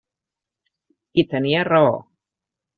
I tenia raó.